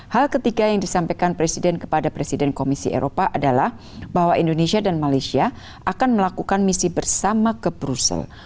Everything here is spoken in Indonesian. hal ketiga yang disampaikan presiden kepada presiden komisi eropa adalah bahwa indonesia dan malaysia akan melakukan misi bersama ke brussel